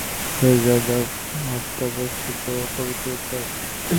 ধৈর্য, অধ্যবসায় ও পবিত্রতা চাই।